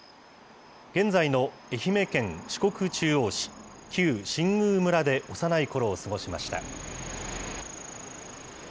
現在の愛媛県四国中央市、旧新宮村で幼いころを過ごしました。